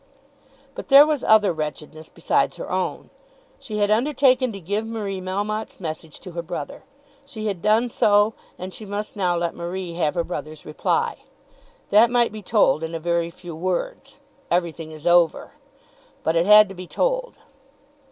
But there was other wretchedness besides her own. She had undertaken to give Marie Melmotte's message to her brother. She had done so, and she must now let Marie have her brother's reply. That might be told in a very few words "Everything is over!" But it had to be told.